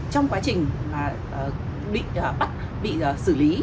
trong quá trình bị bắt bị xử lý